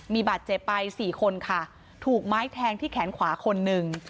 มีบาดเจ็บไปสี่คนค่ะถูกไม้แทงที่แขนขวาคนหนึ่ง